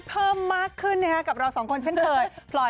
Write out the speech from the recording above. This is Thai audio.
เพิ่มมากขึ้นกับเราสองคนเช่นเคยพลอย